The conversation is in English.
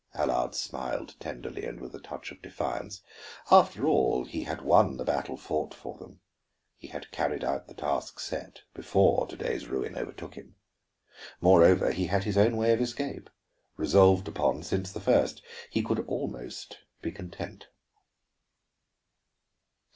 Allard smiled tenderly and with a touch of defiance; after all, he had won the battle fought for them, had carried out the task set, before to day's ruin overtook him. Moreover, he had his own way of escape, resolved upon since the first. He almost could be content.